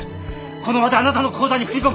この場であなたの口座に振り込む。